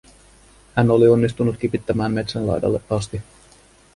Hän oli onnistunut kipittämään metsän laidalle asti.